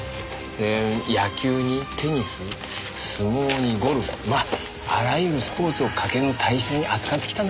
で野球にテニス相撲にゴルフまああらゆるスポーツを賭けの対象に扱ってきたのよ。